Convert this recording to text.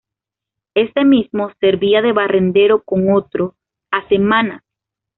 Este mismo servía de barrendero, con otro, a semanas.